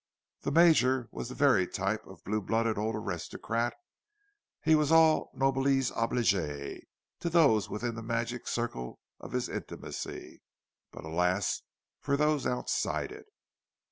The Major was the very type of a blue blooded old aristocrat; he was all noblesse oblige to those within the magic circle of his intimacy—but alas for those outside it!